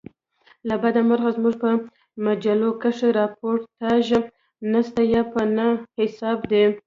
له بده مرغه زموږ په مجلوکښي راپورتاژ نسته یا په نه حساب دئ.